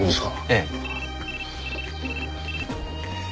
ええ。